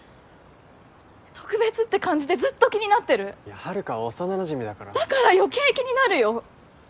特別って感じでずっと気になってるいや遥は幼なじみだからだから余計気になるよ！